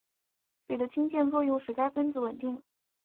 水的氢键作用使该分子稳定。